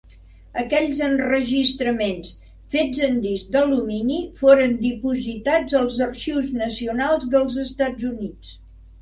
Aquells enregistraments, fets en disc d'alumini, foren dipositats als Arxius Nacionals dels Estats Units.